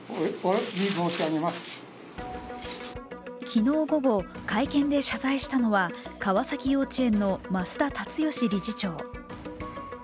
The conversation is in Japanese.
昨日午後、会見で謝罪したのは川崎幼稚園の増田立義理事長。